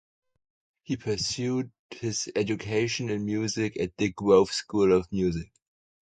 He pursued his education in music at Dick Grove School Of Music.